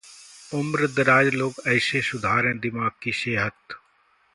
उम्रदराज लोग ऐसे सुधारें दिमाग की सेहत